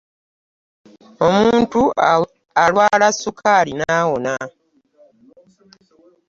Omuntu alwala Sukaali n’awona.